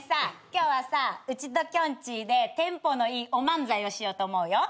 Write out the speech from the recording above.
今日はさうちときょんちぃでテンポのいいお漫才をしようと思うよ。